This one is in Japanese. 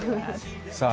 さあ、